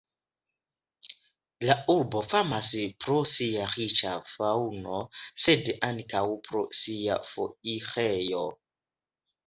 La urbo famas pro sia riĉa faŭno, sed ankaŭ pro sia foirejo.